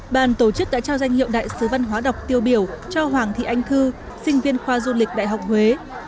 bàn tổ chức đã trao danh hiệu đại sứ văn hóa đọc tiêu biểu cho hoàng thị anh thư sinh viên khoa du lịch đại học huế